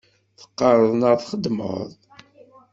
Teqqareḍ neɣ txeddmeḍ?